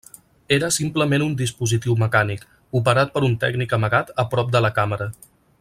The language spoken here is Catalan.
Era simplement un dispositiu mecànic, operat per un tècnic amagat a prop de la càmera.